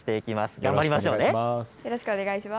頑張りましょうね。